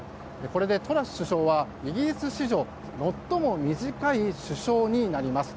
これで、トラス首相はイギリス史上最も短い首相になります。